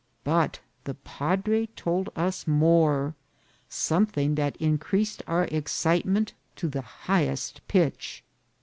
But the padre told us more ; something that increas ed our excitement to the highest pitch.